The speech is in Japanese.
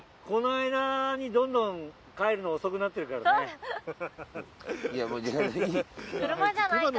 この間にどんどん帰るの遅くなってるからね。